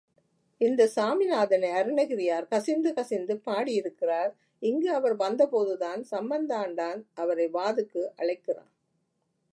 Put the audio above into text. இந்தச் சாமி நாதனை அருணகிரியார் கசிந்து கசிந்து பாடியிருக்கிறார், இங்கு அவர் வந்தபோதுதான் சம்பந்தாண்டான் அவரை வாதுக்கு அழைக்கிறான்.